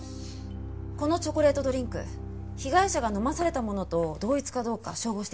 このチョコレートドリンク被害者が飲まされたものと同一かどうか照合してください。